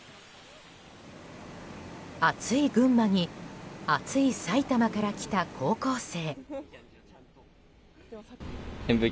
暑い群馬に暑い埼玉から来た高校生。